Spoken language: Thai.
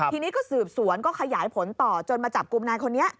ทีนี้ก็สืบสวนก็ขยายผลต่อจนมาจับกลุ่มนายคนนี้